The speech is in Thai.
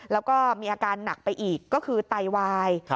แล้วก็มีอาการหนักไปอีกก็คือไตวาย